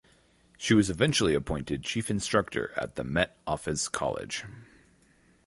She was eventually appointed chief instructor at the Met Office college.